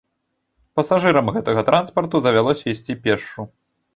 Пасажырам гэтага транспарту давялося ісці пешшу.